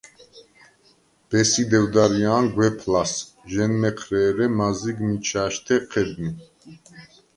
ბესი დევდრია̄ნ გვეფ ლას: ჟ’ენმეჴრე, ერე მაზიგ მიჩა̄შთე ჴედნი.